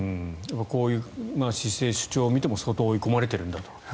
こういう姿勢、主張を見ても相当追い込まれているんだと。